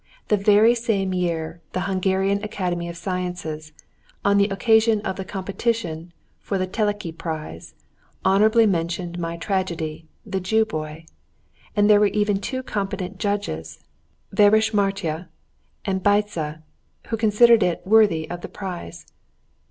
The very same year, the Hungarian Academy of Sciences, on the occasion of the competition for the Teleki prize, honourably mentioned my tragedy, "The Jew Boy," and there were even two competent judges, Vörösmarty and Bajza, who considered it worthy of the prize....